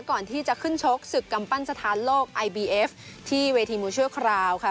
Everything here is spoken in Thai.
ก่อนที่จะขึ้นชกศึกกำปั้นสถานโลกไอบีเอฟที่เวทีมูชั่วคราวค่ะ